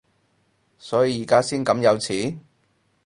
所以而家先咁有錢？